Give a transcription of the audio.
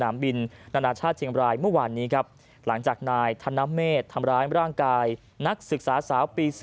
เมื่อวานนี้ครับหลังจากนายธนเมษฯทำร้ายร่างกายนักศึกษาสาวปี๔